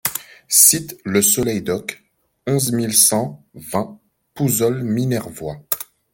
Cite Le Soleil d'Oc, onze mille cent vingt Pouzols-Minervois